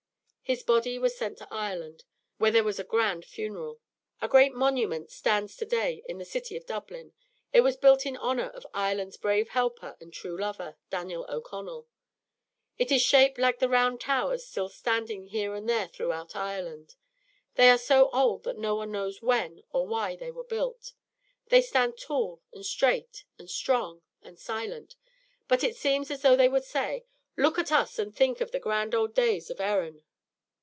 His body was sent to Ireland, where there was a grand funeral. A great monument stands to day in the city of Dublin. It was built in honour of Ireland's brave helper and true lover, Daniel O'Connell. It is shaped like the round towers still standing here and there throughout Ireland. They are so old that no one knows when or why they were built. They stand tall and straight and strong and silent. But it seems as though they would say, "Look at us and think of the grand old days of Erin!"